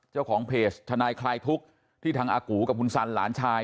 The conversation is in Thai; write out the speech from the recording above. เจ้าของเพจทนายคลายทุกข์ที่ทางอากูกับคุณสันหลานชาย